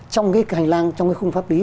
trong cái hành lang trong cái khung pháp lý